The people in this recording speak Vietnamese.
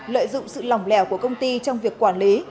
lợi dụng sự lỏng lẻo của công ty trong việc quản lý